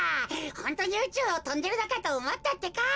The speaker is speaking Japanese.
ホントにうちゅうをとんでるのかとおもったってか。